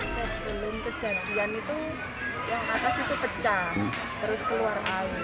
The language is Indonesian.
sebelum kejadian itu yang atas itu pecah terus keluar air